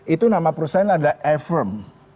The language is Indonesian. itu nama perusahaan adalah e firm